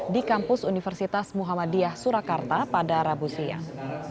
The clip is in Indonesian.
di kampus universitas muhammadiyah surakarta pada rabu siang